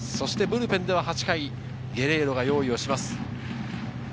ブルペンでは８回、ゲレーロが用意をします。